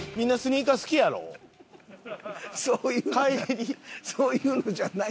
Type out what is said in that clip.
そういうのじゃそういうのじゃないねん。